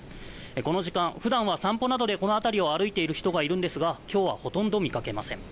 この時間、ふだんは散歩などでこの辺りを歩いている人がいるんですが、きょうはほとんど見かけません。